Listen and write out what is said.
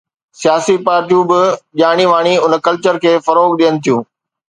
سياسي پارٽيون به ڄاڻي واڻي ان ڪلچر کي فروغ ڏين ٿيون.